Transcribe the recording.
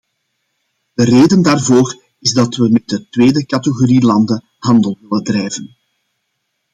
De reden daarvoor is dat we met de tweede categorie landen handel willen drijven.